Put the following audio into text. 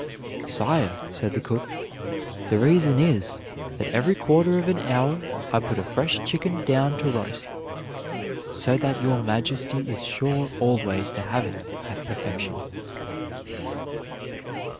"Sire," said the cook, "the reason is, that every quarter of an hour I put a fresh chicken down to roast, so that your Majesty is sure always to have it at perfection."